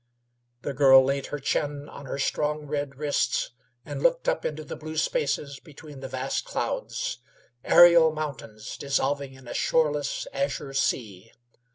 The girl laid her chin on her strong red wrists, and looked up into the blue spaces between the vast clouds aerial mountains dissolving in a shoreless azure sea.